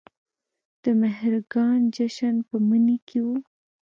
د مهرګان جشن په مني کې و